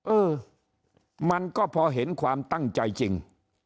เออมันก็พอเห็นความตั้งใจจริง